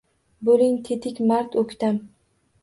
Bo‘ling tetik, mard-o‘ktam.